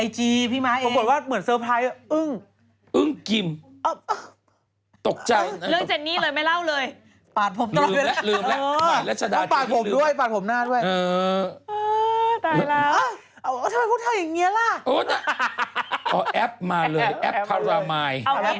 กินแปดสิบนิดหนึ่งคุณแม่อันนี้ดีกว่าพี่กินขวดกลางไปเลยกินขวดกลางไปเลย